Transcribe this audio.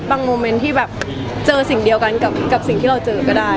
บางเม้นท์ที่เจอสิ่งเดียวกันกับที่เราเจอก็ได้